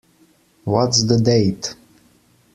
What's the date?